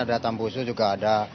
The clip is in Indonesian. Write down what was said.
ada tambusu juga ada